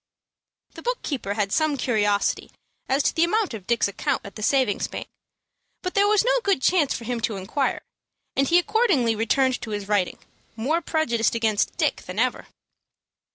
The book keeper had some curiosity as to the amount of Dick's account at the savings bank, but there was no good chance for him to inquire, and he accordingly returned to his writing, more prejudiced against Dick than ever.